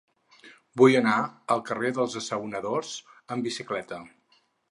Vull anar al carrer dels Assaonadors amb bicicleta.